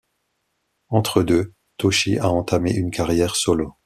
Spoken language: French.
Entre deux, Toshi a entamé une carrière solo.